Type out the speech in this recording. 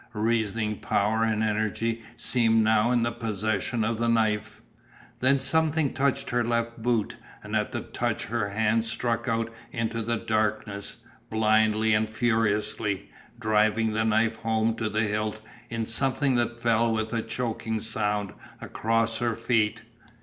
Reasoning power and energy seemed now in the possession of the knife. Then something touched her left boot and at the touch her hand struck out into the darkness, blindly and furiously, driving the knife home to the hilt in something that fell with a choking sound across her feet.